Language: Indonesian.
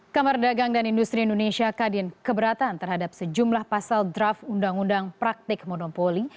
kamar dagang dan industri indonesia kadin keberatan terhadap sejumlah pasal draft undang undang praktik monopoli